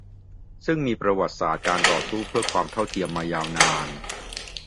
ซึ่งมีประวัติศาสตร์การต่อสู้เพื่อความเท่าเทียมมายาวนาน